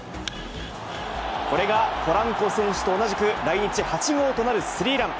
これがポランコ選手と同じく来日８号となるスリーラン。